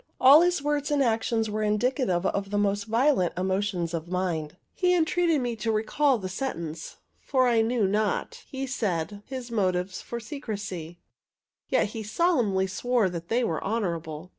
All his words and actions were indicative of the most violent emotions of mind. He entreated me to recall the sentence; for I knew not, he said, his motives for secrecy; yet he solemnly swore that they were honorable.